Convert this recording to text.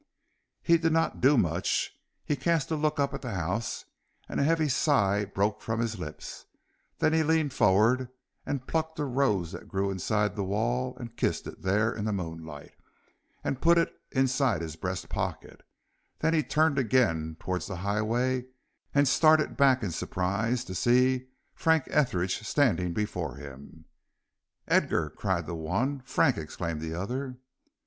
He did not do much; he cast a look up at the house, and a heavy sigh broke from his lips; then he leaned forward and plucked a rose that grew inside the wall and kissed it there in the moonlight, and put it inside his breast pocket; then he turned again towards the highway, and started back in surprise to see Frank Etheridge standing before him. "Edgar!" cried the one. "Frank!" exclaimed the other.